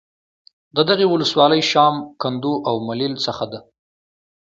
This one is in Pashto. د دغې ولسوالۍ شام ، کندو او ملیل څخه د